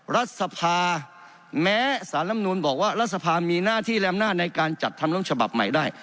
รัฐธรรมนุนแม้สารรัฐธรรมนุนบอกว่ารัฐธรรมนุนมีหน้าที่แรมหน้าในการจัดทำรัฐธรรมนุนฉบับใหม่ได้